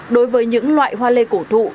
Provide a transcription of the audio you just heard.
đối với những loại hoa lê cổ thụ